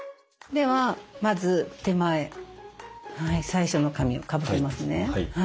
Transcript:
ではまず手前最初の紙をかぶせますね。